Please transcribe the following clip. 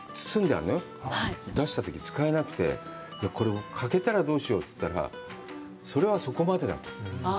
出したときに使えなくて、これ欠けたらどうしようって言ったら、それはそこまでだと。